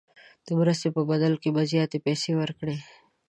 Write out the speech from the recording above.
د مرستې په بدل کې به زیاتې پیسې ورکړي.